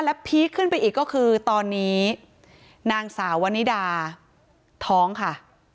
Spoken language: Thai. และพีคขึ้นไปอีกก็คือตอนนี้นางสาววนิดาท้องค่ะ